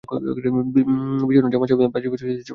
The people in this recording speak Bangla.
বিষণ্ন জামান সাহেব বাসায় ফিরে চুপচাপ বসার ঘরের সোফায় বসে থাকেন।